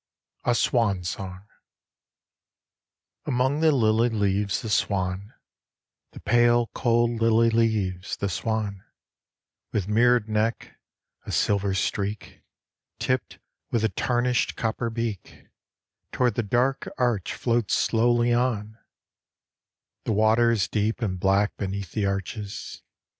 A Swan Song AMONG the lily leaves the swan, The pale, cold lily leaves, the swan, With mirrored neck, a silver streak, Tipped with a tarnished copper beak, Toward the dark arch floats slowly on ; The water is deep and black beneath the arches.